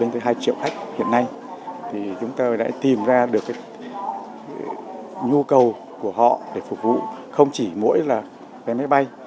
từ hai triệu khách hiện nay chúng tôi đã tìm ra được nhu cầu của họ để phục vụ không chỉ mỗi máy bay